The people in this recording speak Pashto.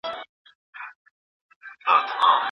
لمر له ښاره کوچېدلی